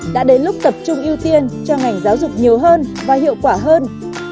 đã đến lúc tập trung ưu tiên cho ngành giáo dục nhiều hơn và hiệu quả hơn